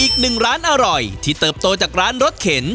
อีกหนึ่งร้านอร่อยที่เติบโตจากร้านรถเข็น